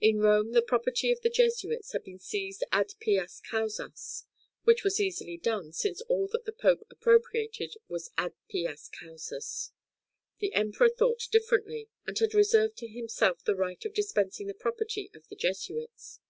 In Rome the property of the Jesuits had been seized ad pias causas, which was easily done, since all that the Pope appropriated was ad pias causas; the Emperor thought differently, and had reserved to himself the right of dispensing the property of the Jesuits.